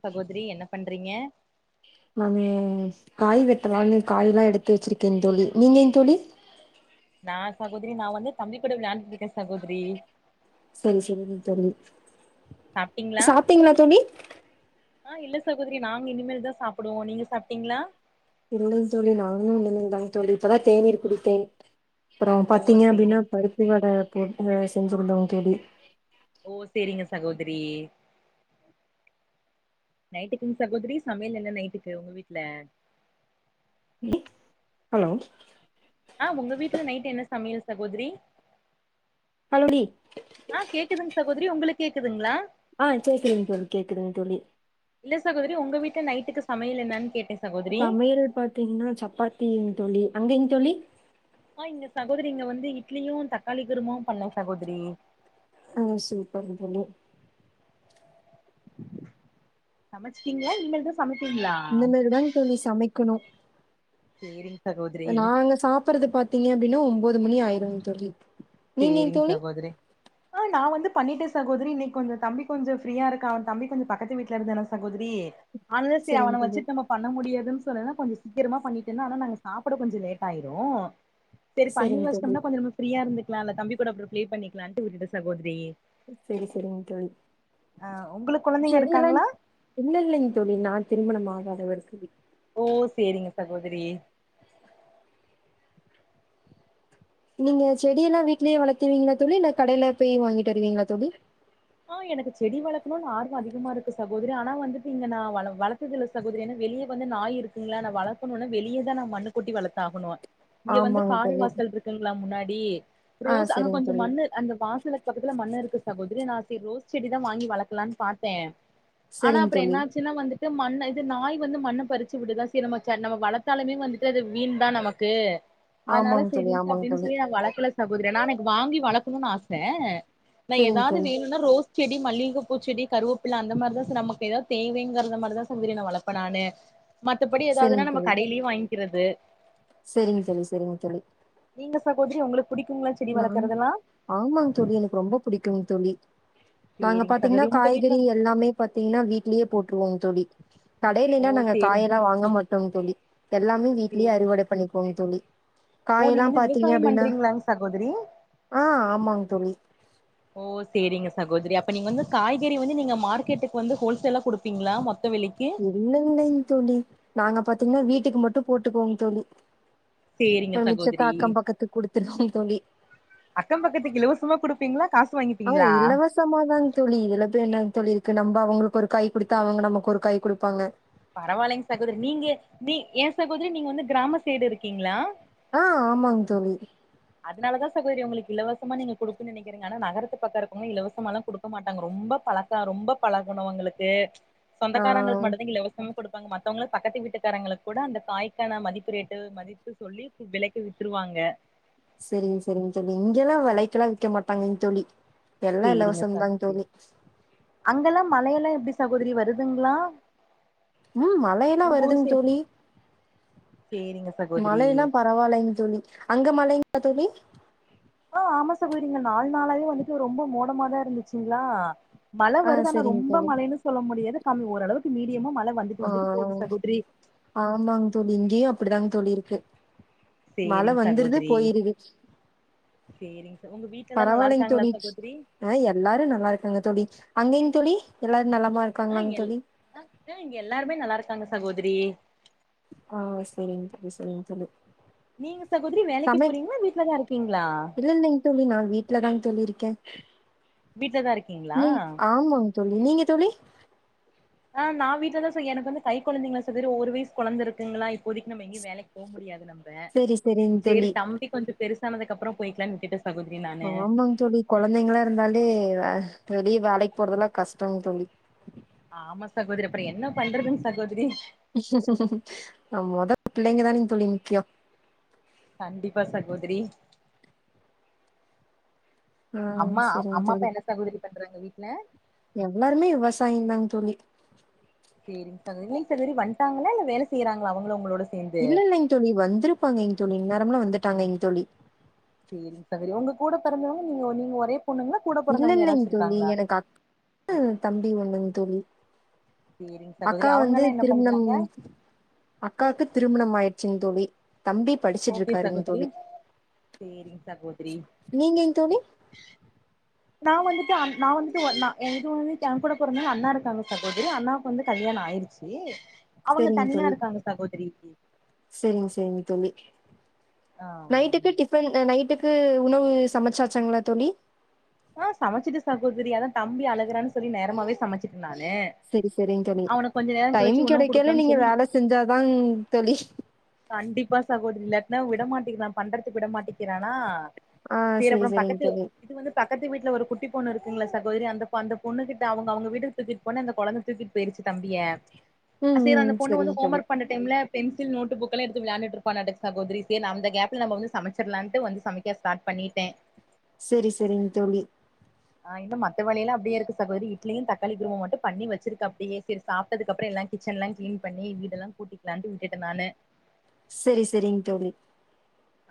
சகோதரி என்ன பண்றீங்க அ காய் வெட்டலாம்னு காய் எல்லாம் எடுத்து வெச்சிருக்கே என் தோழி நீங்க என் தோழி நான் சகோதிரி நான் வந்து தம்பி கூட வெளாண்டுட்டு இருக்க சகோதிரி சரி சரிங்க தோழி சாப்ட்டீங்களா தோழி அ இல்ல சகோதரி நாங்க இனிமேல்தா சாப்பிடுவோ நீங்க சாப்பிட்டீங்களா இல்ல தோழி நாங்களோ இனிமே தா தோழி இப்பதா தேனீர் குடித்தேன் அப்புறோ ஓ பாத்தீங்க சேரி அப்டீன்னா பருப்பு வட பருப்பு வட செஞ்சிருந்தோ தோழி ஓ செரிங்க சகோதரி நைட்டுக்குங்க சகோதரி சமையல் என்ன நைட்டுக்கு உங்க வீட்ல ஹலோ இல்ல நைட் என்ன சமையல் சகோதரி ஹலோ டி ஆ கேக்குதுங்க சகோதரி உங்குளுக் கேக்குதுங்களா ஆ கேக்குதுங்க தோழி கேக்குதுங்கு தோழி இல்ல சகோதரி உங்க வீட்டல நைட்டுக்கு சமையல் என்னன் கேட் சமையல் பாத்தீங்ன்னா சப்பாத்தியிங் தோழி அங்கைங்க் தோழி ஆ இங்க சகோதரி இங்க வந்து இட்லியு தக்காளி குருமாவு பண்ணோ சகோதரி ஆ சூப்பர்ங்க் தோழி சமச்சீட்ங்களா இனிமேல் தா சமைப்பீங்களா இன்ன மேல் தாங் தோழி சமைக்கணு சேரிங் சகோதரி நாங்க சாப்பறது பாத்தீங்க அப்படின்னா ஒம்போது மணி ஆயிருங் தோழி நீங்கங் சேரிங் தோழி சகோதரி ஆ நா வந்து பண்ணிட்ட சகோதிரி இன்னைக் கொஞ்சோ தம்பி கொஞ்சோ ஃப்ரீயா இருக்கா அவன் தம்பி கொஞ்சோ பக்கத்து வீட்ல இருந்தான்னா சகோதிரி அன்னச்சி அவன சரிங் தோழி வச்சிட் நம்ம பண்ண முடியாது ம் சொன்னான கொஞ்சோ சீக்கிரமா பண்ணிட்டனா ஆனா நாங்க சாப்ட கொஞ்சோ லேட் ஆயிரு செரி பண்ணி சரிங்க தோழி வச்டம்னா கொஞ்சோ நம்ம ஃபிரீயா இருந்துக் இவ அந்த தம்பி கூட அப்புறோ ப்ளே பண்ணிக்கலான்ட்டு விட்டுட்ட சகோதிரி செரி செரிங்க் தோழி ஆ உங்களுக்கு கொழந்தைங்க செடியெல்லா இருக்காங்களா இல்ல இல்லைங் தோழி நா திருமணம் ஆ ஆகாத வரைக்கு விட் ஓ சேரிங்க சகோதிரி நீங்க செடியெல்லா வீட்லயே வளத்துருவீங்களா தோழி இல்ல கடைல போய் வாங்கிட்டு வருவீங்களா தோழி ஆ எனக்கு செடி வளக்கணுன் ஆர்வ அதிகமா இருக்கு சகோதிரி ஆனா வந்துட்டு இங்க நா வள வளத்ததுல்ல சகோதிரி ஏன்னா வெளிய வந்து நாய் இருக்குங்களா நா வளக்கணும்னா வெளிய தா நா மண்ணு கொட்டி வளத்தாகணு இங்க வந்து ஆமாங்க காரு தோழி வாசல் இருக்குங்களா முன்னாடி டி ஆ ரோஸ் அங்க சரிங்க கொஞ்சோ தோழி மண்ணு அந்த வாசலுக்கு பக்கத்துல மண்ணு இருக்கு சகோதிரி நா செரி ரோஸ் செடி தா வாங்கி வளக்கலான் பாத்தே ஆனா சரிங்க அப்புறோ தோழி என்னாச்சுனா வந்துட் மண்ண இது நாய் வந்து மண்ண பறிச்சு விடுதா செரி நம்ம செ நம்ம வளத்தாலுமே வந்துட்டு அது வீண் தா நமக்கு அதனால ஆமாங்க தோழி செரின்ட்டு ஆமாங்க அப்டின் தோழி சொல்லி நாங்க வளக்கல சகோதிரி நா எனக்கு வாங்கி வளக்கணுன் ஆச நா சரிங்க ஏதாவது தோழி வேணு பூச்செடி மல்லிகப்பூச்செடி கருவேப்பில அந்த மாரிதா சேர் நமக்கு எதாவது தேவைங்குறத மாரிதா சகோதிரி நா வளப்ப நானு மத்தபடி எதாவதுன்னா நம்ம கடையிலே வாய்ங்கிறது செரிங் தோழி செரிங் தோழி சகோதிரி உங்களுக் நான் ஆமாங் தோழி எனக்கு ரொம்ப புடிக்குங் தோழி நாங்க சேரிங்க பாத்தீங்னா சகோதரி உங்க வீட்ல காய்கறி எல்லாமே பாத்தீங்னா வீட்லயே போட்ருவோங் தோழி ஓ கடையிலேல்லா நாங்க சேரிங் காயெல்லா வாங்க மாட்டோங் தோழி எல்லாமே வீட்லியே சேரி அறுவட பண்ணிக் போயே தோழி ஓ காயெல்லா நீங்க வந்து பாத்தீங்க விவசாயம் அப்டின்னா பண்றீங்ளாங் சகோத் ஆ ஆமாங் தோழி ஓ சேரிங்க சகோதரி அப்ப நீங்க வந்து காய்கறி வந்து நீங்க மார்க்கெட்டுக்கு வந்து ஹோல்சேலா குடுப்பீங்ளா மொத் இல்லைங் இல்லைங் தோழி நாங்க பாத்தீங்னா வீட்டுக்கு மட்டு போட்டுக்குவோங் தோழி சேரிங்க அப்றோ மிச்சத்த சகோதரி அக்கம் பக்கத்துக்கு குடுத்துருவோங் தோழி அக்கம் பக்கத்துக் இலவசமா குடுப் பீங்ளா காஸ் நாங்க இலவசமாதாங் தோழி இதுல போய் என்னங் தோழி இர் க்கு நம்ப அவுங்களுக்கு ஒரு காய் குடுத்தா அவங்க நமக்கு ஒரு காய் குடுப்பாங்க பரவால்லைங் சகோதரி நீங்க நீ எ சகோதரி நீங்க வந்து கிராம சைடு இருக்கீங்ளா ஆ ஆமாங் தோழி அதனாலதா சகோதரி உங்களுக்கு இலவசமா நீங்க கொடுக்கன்னு நெனைக்கிறீங்க ஆனா நகரத்து பக்கம் இருக்கவங்க இலவசமாலெ குடுக்க மாட்டாங்க ரொம்ப பழக்க ரொம்ப பழகணுவங்களுக்கு ஆ சொந்தக்காரங்களுக்கு மட்டுந்தா இங்க இலவசம் கொடுப்பாங்க மத்தவங்களா பக்கத்து வீட்டுக்காரங்களுக் கூட அந்த காய்கான மதிப்பு ரேட்டு மதிப்பு சொல்லி வெலைக்கு வித்துருவாங்க செரிங் செரிங்க தோழி இங்கெல்லா வெலைக்கெல்லா விக்க மாட்டாங்க தோழி எல்லா சேரிங்க இலவசம்தாங்க சகோதரி தோழி அங்கெல்லா மழையெல்லா எப்டி சகோதரி வருதுங்களா ம் மழையெல்லா உங்க ஊர் வருதுங்க சைடு தோழி சேரிங்க சகோதரி மழையெல்லா பரவாயில்லைங்க தோழி அங்க மழைங் க தோழி ஆ ஆமா சகோதரி இங்க நாளு நாளாவே வந்துட்டு ரொம்ப மோடமாதா இருந்துச்சுங்களா மழை ஆ வருது ஆனா செரிங்க ரொம்ப தோழி மழைன்னு சொல்ல முடியாது கம்மி ஓரளவுக் மீடியமா ம அ ஆமாங் தோழி இங்கேயு அப் அப்பிடிதாங் தோழி இருக்கு மழை சேரிங் வந்துருது சகோதரி போயிருது சேரிங் ச உங்க வீட்ல எல்லா நல்லா பரவாயில்லைங் இருக்காங்களா தோழி சகோதரி அ எல்லாரு நல்லாருக்காங்க தோழி அங்கேயும் தோழி எல்லா ஆ நலமாருக்காங்களா இங்க எல் தோழி ஆ ஆ இங்க எல்லாருமே நல்லாருக்காங்க சகோதரி ஆ செரிங் தோழி செரிங் தோழி நீங்க சகோதரி வேலைக்கு சமை போறீங்ளா வீட்லதா இருக்கீங்ளா கே வீட்டு்லதா இருக்கீங்ளா தோழி நீங்க தோழி ஆஹ் நா வீட்டுலதா சார் எனக்கு வந்து கை கொழந்தைங்களா சாகோதரி வெவ் ஒரு வயசு கொழந் இருக்குங்களா இப்போதிக்கு நம்ம எங்கேயு வேலைக்கு போக முடியாது நம்ம சரி சரிங்க செரி தோழி தம்பி கொஞ்ச பெருசு பெருசானதுக்கு அப்புறோ போயிக்கலாம்னு விட்டட்டே ஆமாங்க தோழி கொழந்தைங்களா இருந்தாலே வேல் வெளிய வேலைக்கு போடுறதெல்லா கஷ்டங் தோழி ஆமா சகோதரி அப்றோ என்ன பண்றதுங்க சகோதரி நம் மொதல்ல புள்ளைங்கதான தோழி முக்கியோ கண்டிப்பா சகோதரி ஆஹ் அம்மா சேரிங்க அம்மா தோழி அப்பா என்ன சகோதரி பண்றாங்க வீட்ல எல்லாருமே விவசாயம் தாங் தோழி சேரிங் சகோதரி வீட்ல தெரி வன்டாங்களா இல்ல வேல செய்யறாங்களா அவுங்களு உங்களோட சேந்து இல்ல இல்லலைங்க தோழி வந்திருப்பாங்க இங்க தோழி ந அவூங்களும் வந்துட்டாங்க இங்க தோழி சேரி சாகோதரி உங்க கூட பெறந்தவங்க நீங்க நீங்க ஒரே பொண்ணுங்களா கூட இல்ல பிறந்தவங்க இல்லைங்க யாராச்சு தோழி இருக்காங்களா எனக்கு அக்கா தம்பி ஒண்ணுங்க தோழி சேரிங்க அக்கா சகோதரி வந்து அவங்கல்லா என்ன திருமணம் பண்றாங்க அக்காக்கு திருமணம் ஆயிட் செரிங் தோழி தம்பி படிச்சுட்டு ஓகே இருக்காருங்க சகோதரி தோழி சேரிங்க சகோதரி நீங்கங் தோழி நான் வந்துட்டு அன் நா வந்துட்டு [unintelligible] என் கூட பிறந்தவங் அண்ணா இருக்காங்க சகோதரி அண்ணாவுக்கு வந்து கல்யாணம் ஆயிடுச்சி சேரிங்க தோழி சேரிங்க சேரிங்க தோழி ஆ நைட்டுக்கு டிஃபன் அ நைட்டுக்கு க்கு உணவு சமைச்சாச்சங்களா தோழி ஆஹ் சமைச்சிட்டே சகோதரி அதான் தம்பி அழகுறான்னு சொல்லி நேரமாவே சமைச்சிட்டே நானு சேரி சேரிங்க தோழி அவனுக்கு கொஞ்ச நேரோ டைம் கழிச்சு உணவு கெடைக்கையில குடுக்கலான்னு நீங்க சொல்லி வேல செஞ்சாதான தோழி கண்டிப்பா சகோதரி இல்லாடினா விடமாட்டிக்கிறா பண்றதுகு விடமாட்டிக்கிறானா ஆ சேர் சரி அப்புறோ சரிங்க பக்கத்து தோழி. இது வந்து பக் பக்கத்து வீட்டுல ஒரு குட்டி பொண்ணு இருக்குங்கள சகோதரி அந்த அந்த பொண்ணு கிட்ட அவுங்க அவுங்க வீட்டுக்கு தூக்கிட்டு போன்னே அந்த கொழந்த தூக்கி போயிருச்சி தம்பிய ம் சேரி ம் அந்த பொண்ணு சரிங்க வந்து ஹோம் தோழி. ஒர்க் பண்ற டைம்ல பென்சில் நோட்டு புக் புக்லா எடுத்து விளாண்டுட்டு இருப்பானாட்டுங்குது சகோதரி சேர் அந்த கேப்ல நம்ம வந்து சமைச்சிடலாம்னுட்டு வந்து சமைக்க ஸ்டார்ட் பண்ணிட்டே செரி செரிங்க தோழி ஆஹ் இன்னு மத்த வேலயிலல்ல அப்டியே இருக்கு சகோதரி இட்லயும் தக்காளி குருமா மட்டும் பண்ணி வச்சிருக்க அப்டியே செரி சாப்ட்டதுக்கு அப்புற எல்லா கிச்சன் எல்லா கிளீன் பண்ணி வீடெல்லாம் கூட்டிகலான்ட்டு விட்டுட்ட நானு செரி செரிங்க தோழி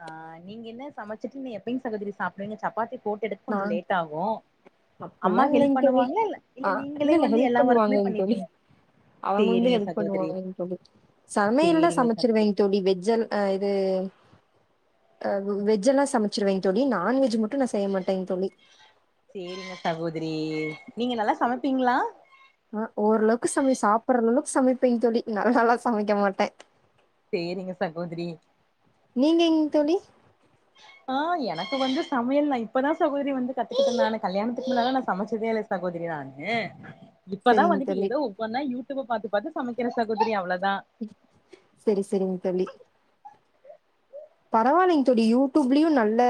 ஆஹ் நீங்க என்ன சமைச்சிட்டு எப்பயுங் சகோதிரி சாப்டுவிங் சப்பாத்தி போட்டு எடுக்க நா கொஞ்சோ லேட் ஆகு அம்மா அப்பல்லா ஹெல்ப் இல்லைங்க தோழி பண்ணுவாங்களா இல்ல ஆஹ் இல்ல நீங்களே இல்ல வந்து ஹெல்ப் எல்லா ஒர்க்குமே பண்ணுவாங்கங்க தோழி பண்ணிருவீங்க அவ்ங்க வந்து சேரிங்க ஹெல்ப் சகோதரி பண்ணுவாங்குதோழி சமையல்லா சேரிங்க சகோதரி சமைச்சிருவேங்க தோழி வெஜ்ல் அன் ஆஹ் இது வெஜ்ல்லா சமைச்சிருவேங்க தோழி நான்வெஜ் மட் டு நா செய்யமட் செரிங்க சகோ திரி நீங்க நல்லா சமைப்பீங்களா ஆஹ் ஓரளவுக்கு சமை சாப்டுற அளவுக்கு சமைப்பேங்க தோழி நல்லல்லா சமைக்க மாட்டே செரிங்க சகோதிரி நீங்கங் தோழி ஆஹ் எனக்கு வந்து சமையல் நா இப்பதா சகோதரி வந்து கத்துக்கிட்டுடே நானு கல்யாணத்துக்கு முன்னாடி நா சமைச்சதே இல்ல சகோதரி நானு இப்பதா செரிங்க வந்துட்டு தோழி ஏதோ ஒவ்வொன்னா யூ டுப்ப பாத்து பாத்து சமைக்க சகோதிரி அவ்ளோ செரி செரிங்க தோழி பரவால்லைங்க தோழி யூடியூப்லயு நல்ல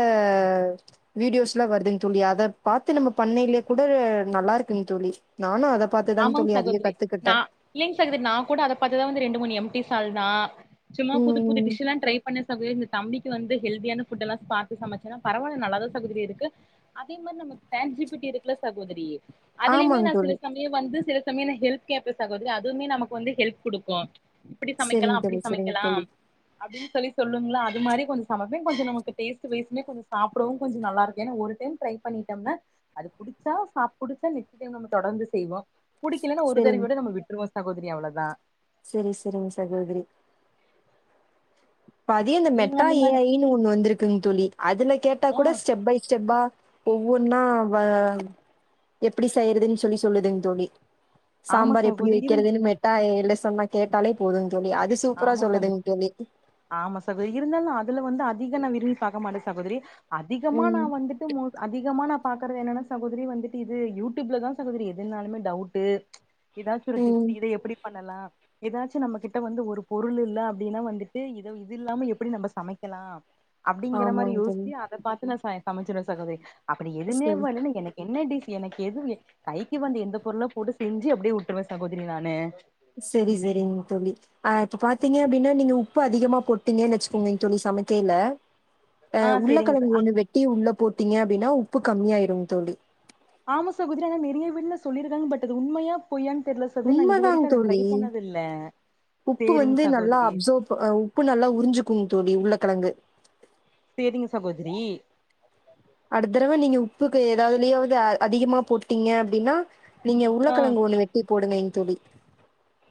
வீடியோஸ் எல்லா வருதுன்னு தோழி அத பாத்து நம்ம பண்ணலே கூட நல்லா இருக்குங்க தோழி நானு அத பாத்துதாங்க ஆமாங்க தோழி அதிக சகோதரி நா கத்துக்கிட்டே இல்லங்க சகோதரி நா கூட அத பாத்துதா வந்த ரெண் ண்டு முணு எம் டி சால்னா சும்மா புது புது ம் டிஷ் எல்லா ட்ரை பண்ண சகோதரி இந் தம்பிக்கு வந்து ஹெல்தியான ஃபுட்லா பாத்து சமைச்சேன்னா பரவால்ல நல்லாதா சகோதரி இருக்கு அதே மாரி நமக்கு சாட் ஜு பி டி இருக்குல சகோதரி அதுலியுமே ஆமாங்க நா தோழி சில சம் வந்து சில சமயம் நா ஹெல்ப் கேப்பே சகோதரி அதுவுமே நமக்கு வந்து ஹெல்ப் குடுக்கு இப்டி சமைக்கலா செரிங்க தோழி அப்டி செரிங்க சமைக்கலாம் தோழி அப்டின்னு சொல்லி சொல்லுங்கள அது மாரி கொஞ்சோ கொஞ்சோ நமக்கு டேஸ்டு பேஸ்ஸுமே கொஞ்ச சாப்டவு கொஞ்சோ நல்லா இருக்கு ஏன்னா ஒரு டைம் ட்ரை பண்ணிட்டோம்னா அது புடிச்ச சாப் புடிச்ச நிச்சயம தொடர்ந்து செய்வோ புடிக்கலலைன்னா ஒரு செரிங் தரவையோட நம் விட்ருவோ சகோதரி அவ்ளோதா செரி செரிங்க சகோதரி பதியு இந்த நீங்க மெட்டா அந்த ஏ மாரி ஐ ன்னு ஒண்ணு வந்திருக்குங் தோழி அதுல கேட்டா ஆ கூட ஸ்டெப் பை ஸ்டெப்பா ஒவ்வொன்னா வ எப்டி செய்யறதுன்னு சொல்லி சொல்லுதுங் தோழி ஆமா சாம்பார் எப்டி சகோதரி இருந் வைக்கிறதுன்னு மெட்டா எ ஐ ல சொன்ன கேட்டாலே போதுங்க தோழி அது சூப்பரா ஆமா சகோ சொல்லுதுங் தோழி ஆமா சகோதரி இருந்தாலு அது இதுல வந்து அதிக நா விரும்பி பாக்க மாட்ட சகோதிரி அதிகமா நா ம் வந்துட்டு மோ அதிகமா நா பாக்கறது என்னனா சகோதரி வந்துட்டு இது யூடியூப்லதா சகோதரி எதுனாலுமே டவுட்டு எதாச்சி ஒரு ம் டிப்ஸ் இதை எப்படி பண்ணலா எதாச்சு நம்ம கிட்ட வந்து ஒரு பொருளில்ல அப்டினா வந்துட்டு இத இது இல்லாம எப்படி நம்ம சமைக்கலா அப்டிங்கிற மாரி ஆமாங் தோழி யோசிச்சி அத பாத்து நா ச சமைச்சிருவ சகோதரி அப்பிடி எதுமே செரி வரலனா எனக்கு என்ன டிஷ் எனக்கு எது கைக்கு வந்து எந்த பொருளோ போட்டு செஞ்சு அப்டியே உட்ருவ சகோதரி நானு செரி செரிங் தோழி ஆ இப்ப பாத் திங்க அப்டின்னா நீங்க உப்பு அதிகமா போட்டிங்கன்னு வெச்சுக்கங்க தோழி சமைக்கைல ஆ உருள செரிங்க கெழங்கு ச ஒண்ணு வெட்டி உள்ள போட் டிங்க அப்டினா உப்பு கமியாயிருங் தோழி ஆமா சகோதரி ஆனா நிறைய வீட்ல சொல்லிருக்காங்க பட் அது உண்மையா பொய்யான்னு தெர்ல சகோதரி நா இது உண்மைதாங் வரைக்கு அத ட்ரை தோழி பண்ணது இல்ல உப்பு சேரிங்க வந்து நல்லா சகோதரி அப்சர்வ் ப அ உப்பு நல்லா உறிஞ்சுக்குங் தோழி உள்ள கழங்கு செரிங்க சகோதரி எதா அதுலையாவ்து அதிகமா போட்டீங்க அப்டின்னா நீங்க ஆ உருளக்கழங்கு ஒண்ணு வெட்டி போடுங்க எங் தோழி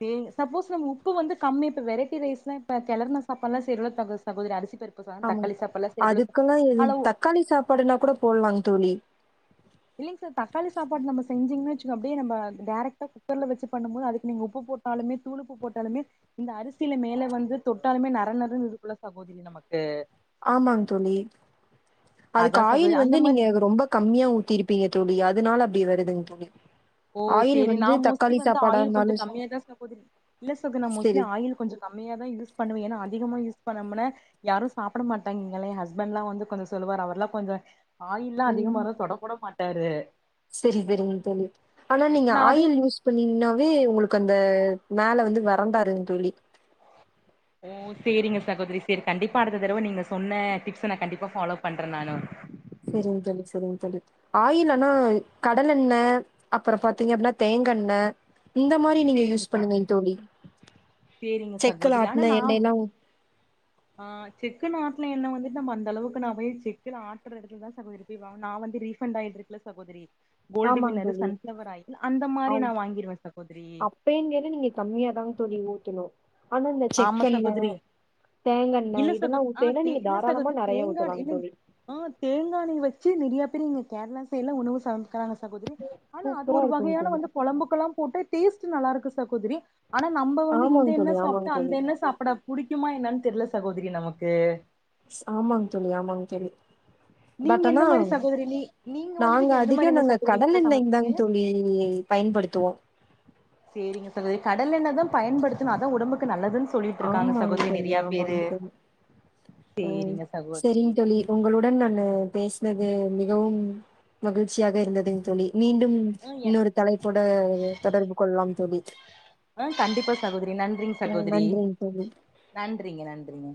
சேரிங் சப்போஸ் நம்ம உப்பு வந்து கம்மி இப்ப வெரைட்டி ரைஸ்லா இப்ப கெளர்ன சாப்பாட்லா செய்றோல்ல தகோ சகோதரி அரிசி பருப்பு சாதம் ஆமாங் தக்காளி தோழி சாப்பாடுலா செய்றோல அதுக்குனா இ அளவு தக்காளி சாப்பாடுன்னா கூட போட்லாங் தோழி இல்லிங் ச தக்காளி சாப்பாடு நம்ம செஞ்சீங்னு வச்சுக்கொ அப்டியே நம்ம டேரெக்ட்டா குக்கர்ல வச்சு பண்ணம் போது அதுக்கு நீங்க உப்பு போட்டாலுமே தூளுப்பு போட்டாலுமே இந்த அரிசியில மேல வந்து தொட்டாலுமே நர நரன்னு இருக்குல்ல சகோதரி நமக்கு ஆமாங் தோழி அதுக்கு அதா ஆயில் சகோதரி வந்து அந்த மாரி நீங்க ரொம்ப கம்மியா ஊத்திருப்பீங்க தோழி அதுனால அப்டி வருதுங் தோழி ஓ ஆயில் சேரி நா வந்து மோஸ்ட்லி தக்காளி வந்து சாப்பாடா ஆயில் கொஞ்சொ இருந்தாலு கம்மியாதா சகோதரி இல்ல சகோ நா மோஸ்லி சரி. ஆயில் கொஞ்சொ கம்மியாதா யூஸ் பண்ணுவ ஏன்னா அ திகமா யூஸ் பண்ணோமுனா யாரு சாப்ட மாட்டாங்களே ஹஸ்பண்ட்லா வந்து கொஞ்சொ சொல்லுவார் அவர்லா கொஞ்சொ ஆயில்லா அதிகமானா தொடக்கூட மாட் டாரு செரி பெரி தோழி ஆனா நீங்க நா அது ஆயில் யூஸ் பண்ணிங்னாவே உங்ளுக்கந் த மேல வந்து வறண்டாருன் துளி ஓ சேரிங்க சகோதுரி சேரி கண்டிப்பா அடுத்த தரவ நீங்க சொன்ன டிப்ஸ்ஸ நா கண்டிப்பா ஃபாலோ பண்ற நானுர் செரிங் தோழி செரிங் தோழி ஆயில்லனா கடலெண்ண அப்புற பாத்தீங்க அப்பின்னா தேங்கண்ண இந்த மாரி நீங்க சேரிங்க யூஸ் ச பண்ணுங்கைங் தோழி சேரிங்க செக்குல ஆட்டுன எண்னெல்லா ஆஹ் செக்குன்னு ஆட்ன எண்ண வந்துட்டு நம்ம அந்தளவுக்கு நா போய் செக்குல ஆட்ற எடத்துலதா சகோதரி போய் வா நா வந்து ரீஃபண்ட் ஆயில் இருக்குல்ல சகோதரி கோல்டு ஆமாங் வின்னரு தோழி சன்ஃப்ளவர் ஆயில் அந்த ஔ மாரி நா வாங்கிருவே சகோதரி அப்பேங்கிது நீங்க கம்மியாதாங் தோழி ஊ த்துணு ஆமா சகோதரி தேங்கெண்ண இல்ல இதெல்லா சகோத் ஆஹ் ஊத்தயில தே நீங்க இல்ல தாராளமா சகோத் நெறைய தேங்காண் ஊத்தலாங்க இல்லிங் தோழி ஆஹ் தேங்காண்ணை வச் சு நெறைய பேருங்க கேரளா சைட்லா உணவு ச இருக்கறாங்க சகோதரி ஆனா அது சூப்பரா ஒரு இருக்குங்க வகையான தோழி வந்து குழம்புக்கெல்லா போட்டு டேஸ்ட் நல்லாருக்கு சாகோத்ரி ஆனா நம்ம வந்து இந்த ஆமாங்க எண்ண தோழி ஆமாங்க சாப் அந்த தோழி எண்ண சாப்ட புடிக்கு மா என்னன் தெர்ல சகோதரி நமக்கு ஆமாங் தோழி ஆமாங் தோழி நீங்க பட் ஆனா எந்த மாரி சகோதரி நீ நீங்க நாங்க வந்துட்டு எந்த மாரி அதிக என்ன நாங்க சகோதரி வீட்ல கடலெண்ணெய் தாங் சமைப்பீங்க தோழி பயன்படுத்துவோ சேரிங்க தோழி கடலெண்ணதா பயன்படுத்தணு அதா ஒடம்புக்கு நல்லதுன் ஆமாங் தோழி ஆமாங் தோழி ம் சேரிங்க சகோதரி சரிங் தோழி உங்களுடன் நானு பேசினத் து மிகவும் மகிழ்ச்சியாக இருந்தது தோழி மீண்டும் ஆ எ இன்னொரு தலைப்போட தொடர்பு கொள்ளலாம் தோழி ஆஹ் கண்டிப்பா சகோதரி நன்றிங் சகோதரி நன்றிங் தோழி நன்றிங்க நன்றிங்க